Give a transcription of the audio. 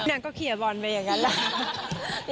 นางก็เคลียร์บอลไปอย่างนั้นแหละ